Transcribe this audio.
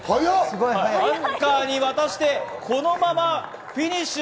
アンカーに渡して、このままフィニッシュ。